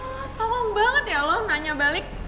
masalah banget ya lu nanya balik